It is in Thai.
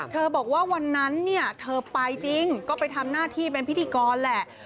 บอกว่าวันนั้นเนี่ยเธอไปจริงก็ไปทำหน้าที่เป็นพิธีกรแหละ